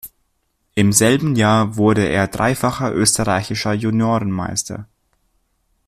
Im selben Jahr wurde er dreifacher Österreichischer Juniorenmeister.